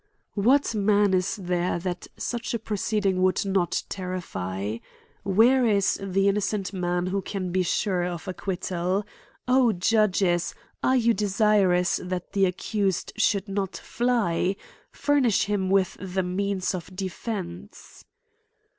What man is there that such a proceeding would not terrifv? Where is the innocent man who can be sure of acquittal ? O judges ! are you desirous that the accused should not fly?— Fur nish him with the means of defence.